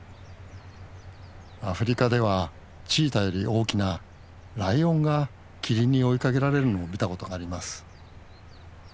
アフリカではチーターより大きなライオンがキリンに追いかけられるのを見たことがあります。